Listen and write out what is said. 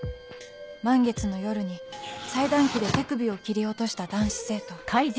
満月の夜に裁断機で手首を切り落とした男子生徒ハッ！